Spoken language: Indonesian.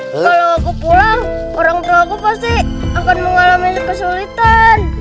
kalau aku pulang orang tua aku pasti akan mengalami kesulitan